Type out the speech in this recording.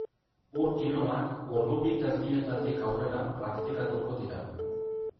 Ur-kirolak ordu bi eta erdietatik aurrera praktikatuko dira.